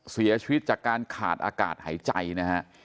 เสียชีวิตจากการขาดอากาศหายใจนะฮะ